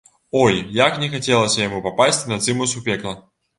Ой, як не хацелася яму папасці на цымус у пекла!